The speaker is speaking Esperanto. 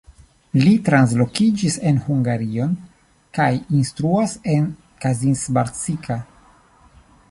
Li translokiĝis en Hungarion kaj instruas en Kazincbarcika.